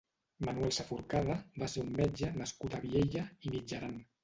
Manuel Saforcada va ser un metge nascut a Viella i Mitjaran.